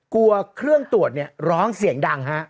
กลัวเครื่องตรวจเนี่ยร้องเสียงดังฮะ